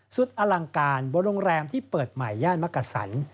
สุดอลังการบนโรงแรมที่เปิดใหม่ย่านมกษัน